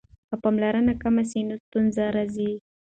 که پاملرنه کمه سي نو ستونزه راځي.